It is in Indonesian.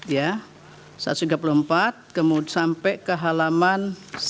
satu ratus tiga puluh empat ya satu ratus tiga puluh empat sampai ke halaman satu ratus tiga puluh tujuh